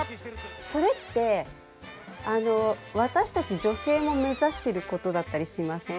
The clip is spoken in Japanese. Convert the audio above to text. それって、私たち女性も目指してることだったりしません？